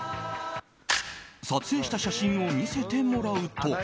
撮影した写真を見せてもらうと。